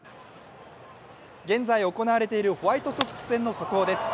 現在行われているホワイトソックス戦の速報です。